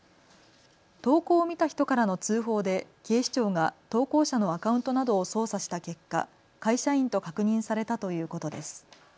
投稿を見た人からの通報で警視庁が投稿者のアカウントなどを捜査した結果、会社員と確認されたということです。